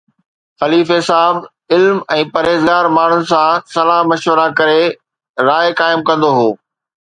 خليفي صاحب علم ۽ پرهيزگار ماڻهن سان صلاح مشورا ڪري راءِ قائم ڪندو هو